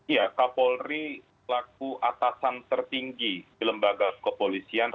ya kapolri laku atasan tertinggi di lembaga kepolisian